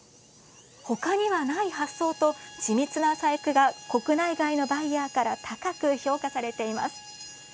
ほかにはない発想と緻密な細工が国内外のバイヤーから高く評価されています。